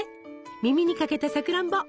耳にかけたさくらんぼ！